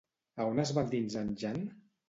A on es va endinsar en Jan?